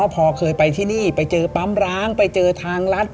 พอเคยไปที่นี่ไปเจอปั๊มร้างไปเจอทางรัฐ